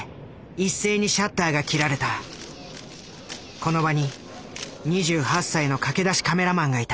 この場に２８歳の駆け出しカメラマンがいた。